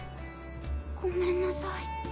ごめんなさい。